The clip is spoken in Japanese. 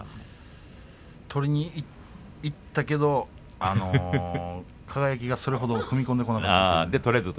取りにいったけど輝がそれほど踏み込んでこなかったんですね。